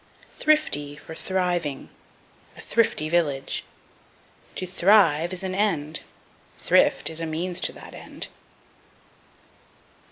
Thrifty for Thriving. "A thrifty village." To thrive is an end; thrift is a means to that end.